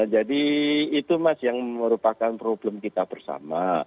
jadi itu mas yang merupakan problem kita bersama